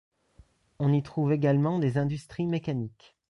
On y trouve également des industries mécaniques.